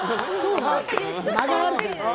間があるじゃない。